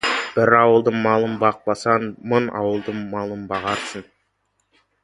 Бір ауылдың малын бақпасаң, мың ауылдың малын бағарсың.